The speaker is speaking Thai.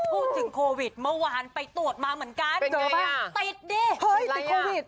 พูดถึงโควิดเมื่อวานไปตรวจมาเหมือนกันเจอบ้างติดดิเฮ้ยติดโควิด